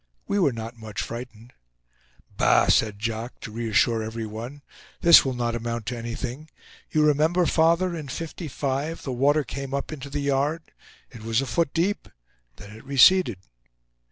We were not much frightened. "Bah!" said Jacques, to reassure every one, "this will not amount to anything. You remember, father, in '55, the water came up into the yard. It was a foot deep. Then it receded."